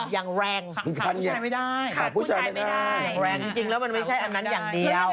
อย่างแรงค่ะผู้ชายไม่ได้แรงจริงแล้วมันไม่ใช่อันนั้นอย่างเดียว